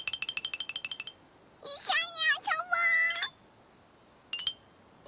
いっしょにあそぼう！